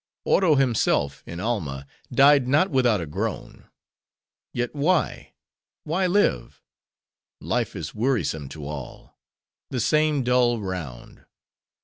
Oro himself, in Alma, died not without a groan. Yet why, why live? Life is wearisome to all: the same dull round.